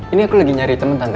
ini aku lagi nyari teman tante